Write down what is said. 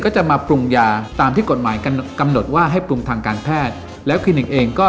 จะมาปรุงยาตามที่กฎหมายกำหนดว่าให้ปรุงทางการแพทย์แล้วคลินิกเองก็